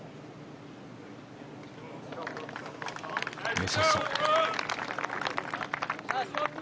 よさそう。